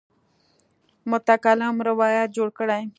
متکلم روایت جوړ کړی.